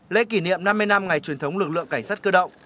lễ kỷ niệm năm mươi năm ngày truyền thống lực lượng cảnh sát cơ động